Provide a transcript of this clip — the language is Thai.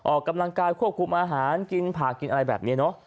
ออกกำลังกายควบคุมอาหารกินผ่ากินอะไรแบบนี้เนอะ